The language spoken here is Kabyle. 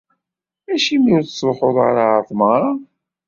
Acimi ur tettruḥuḍ ara ɣer tmeɣra?